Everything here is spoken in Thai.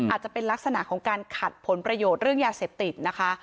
อาจจะเป็นลักษณะของการขัดผลประโยชน์เรื่องยาเสพติดนะคะ